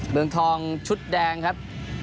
เมืองทองชุดแดงครับ